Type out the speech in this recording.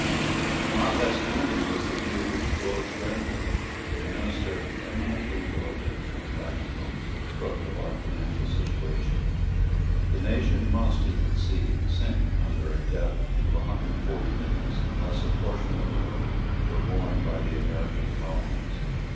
Not less gloomy was the view which George Grenville, a minister eminently diligent and practical, took of our financial situation. The nation must, he conceived, sink under a debt of a hundred and forty millions, unless a portion of the load were borne by the American colonies.